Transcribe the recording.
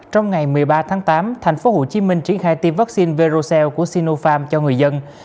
trong ngày một mươi ba tháng tám thành phố hồ chí minh triển khai tiêm vaccine verocell của sinopharm cho người dân